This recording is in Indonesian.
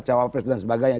cawapres dan sebagainya